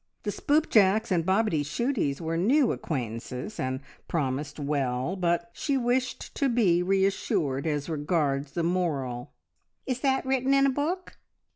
The Spoopjacks and Bobityshooties were new acquaintances and promised well, but she wished to be reassured as regards the moral. "Is that written in a book?"